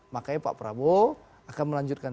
makanya pak prabowo akan melanjutkan